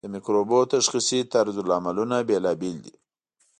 د مکروبونو تشخیصي طرزالعملونه بیلابیل دي.